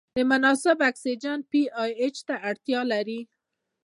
د مناسب اکسیجن او پي اچ ته اړتیا لري.